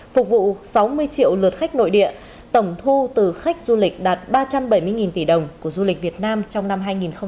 phục vụ sáu mươi triệu lượt khách nội địa tổng thu từ khách du lịch đạt ba trăm bảy mươi tỷ đồng của du lịch việt nam trong năm hai nghìn hai mươi ba